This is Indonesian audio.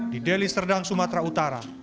di deli serdang sumatera utara